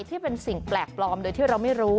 ที่เป็นสิ่งแปลกปลอมโดยที่เราไม่รู้